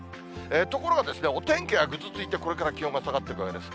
ところが、お天気はぐずついて、これから気温が下がっていくわけです。